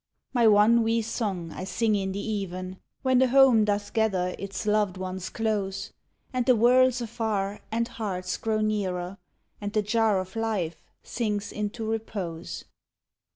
My one wee song I sing in the even, When the home doth gather its loved ones close, And the world's afar and hearts grow nearer, And the jar of life sinks into repose.